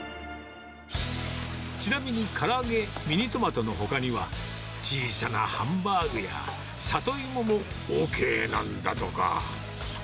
ちなみにから揚げ、ミニトマトのほかには、小さなハンバーグや里芋もＯＫなんだとか。